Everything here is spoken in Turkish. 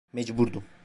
Mecburdum.